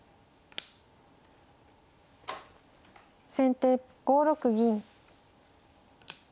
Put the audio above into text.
先手５六銀。